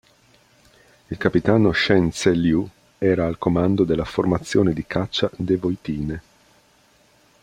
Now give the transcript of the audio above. Il capitano Shen Tse-Liu era al comando della formazione di caccia Dewoitine.